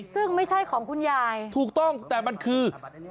ซึ่งไม่ใช่ของคุณยายถูกต้องแต่มันคือ